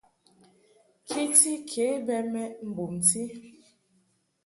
Kiti ke bɛ mɛʼ mbumti.